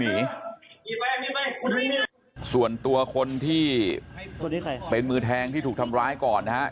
ส่วนตัวคนที่เป็นมือแทงที่ถูกทำร้ายก่อนนะฮะ